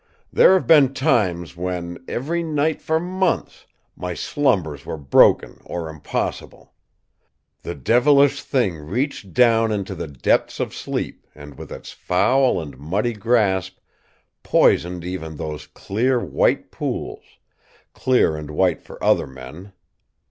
There have been times when, every night for months, my slumbers were broken or impossible! The devilish thing reached down into the depths of sleep and with its foul and muddy grasp poisoned even those clear, white pools clear and white for other men!